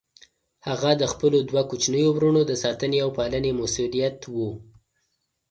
هغه د خپلو دوه کوچنيو وروڼو د ساتنې او پالنې مسئوليت و.